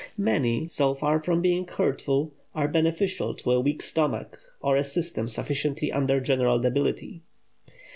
Many, so far from being hurtful, are beneficial to a weak stomach or a system suffering under general debility.